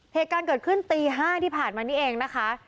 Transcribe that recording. เหตุการณ์เกิดขึ้นตี๕ที่ผ่านมานี่เองนะคะ